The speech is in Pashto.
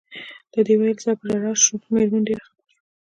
له دې ویلو سره په ژړا شول، مېرمن ډېره خپه شوه.